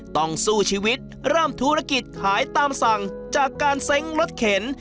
ต้องสู้ชีวิตเริ่มธุรกิจขายตามสั่งจากการเซ้งรถเข็น